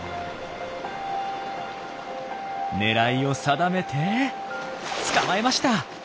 狙いを定めて捕まえました！